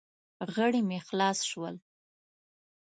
غړي مې خلاص شول.